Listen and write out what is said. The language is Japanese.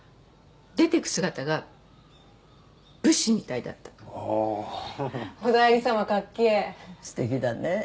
出ていく姿が武士みたいだったああーははっおだいり様かっけえすてきだね